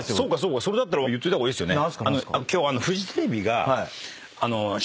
それだったら言っといた方がいいですよね。